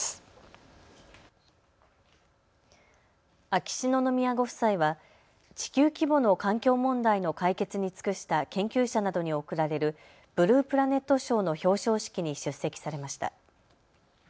秋篠宮ご夫妻は地球規模の環境問題の解決に尽くした研究者などに贈られるブループラネット賞の表彰式に出席されました。